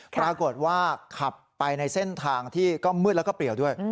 ปรากฏว่าขับไปในเส้นทางที่ก็มืดแล้วก็เปรียวด้วย